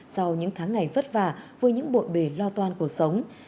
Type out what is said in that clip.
sau những tháng ngày vất vả với những bộn bề lo toan cuộc sống